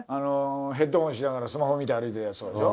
ヘッドホンしながらスマホ見て歩いてるヤツとかでしょ？